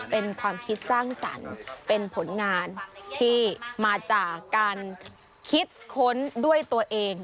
เป็นความคิดสร้างสรรค์เป็นผลงานที่มาจากการคิดค้นด้วยตัวเอง